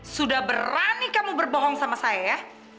sudah berani kamu berbohong sama saya ya